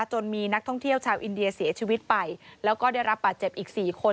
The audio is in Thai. มีนักท่องเที่ยวชาวอินเดียเสียชีวิตไปแล้วก็ได้รับบาดเจ็บอีก๔คน